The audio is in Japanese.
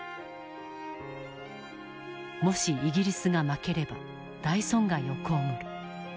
もしイギリスが負ければ大損害を被る。